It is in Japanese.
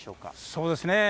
そうですね。